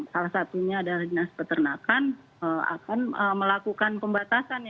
salah satunya adalah dinas peternakan akan melakukan pembatasan